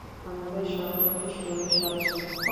আমাদের সহপাঠী সুরেশ আছে?